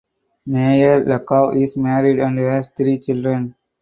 Meir Lahav is married and has three children.